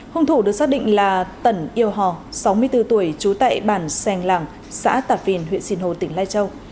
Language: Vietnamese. hùng thủ được xác định là tần yêu hò sáu mươi bốn tuổi trú tại bản seng làng xã tạp vìn huyện sinh hồ tỉnh lai châu